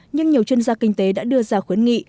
nhưng nhiều chuyên gia kinh tế đã đưa ra khuyến nghị